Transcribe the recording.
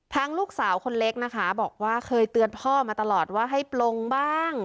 ลูกสาวคนเล็กนะคะบอกว่าเคยเตือนพ่อมาตลอดว่าให้ปลงบ้าง